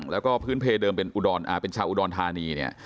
แล้วก็พื้นเพลย์เดิมเป็นชาวอุดรธานี